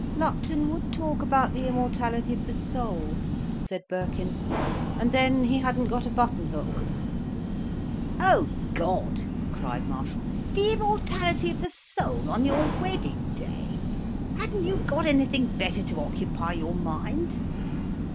"Lupton would talk about the immortality of the soul," said Birkin, "and then he hadn't got a button hook." "Oh God!" cried Marshall. "The immortality of the soul on your wedding day! Hadn't you got anything better to occupy your mind?"